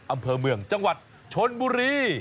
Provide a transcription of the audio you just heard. อำเภอเมืองจังหวัดชนบุรี